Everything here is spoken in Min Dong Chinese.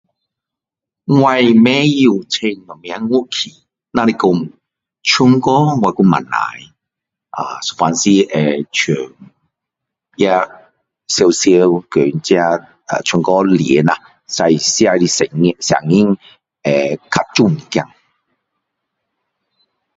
我不会玩什么乐器只是说唱歌我还不错啊有时候会唱也常常把自己的唱歌练一下声音会较美一点